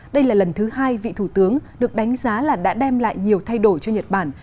đây là lần thứ hai vị thủ tướng được đánh giá là đã đem lại nhiều thay đổi cho nhật bản